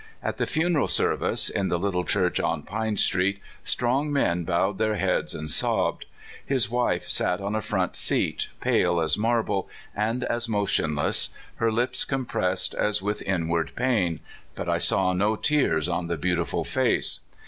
At the funeral service, in the little church on Pine street, strong men bowed their heads and sobbed. His wife sat on a front seat, pale as marble and as motionless, her lips compressed as with inward pain ; but I saw no tears on the beautiful face.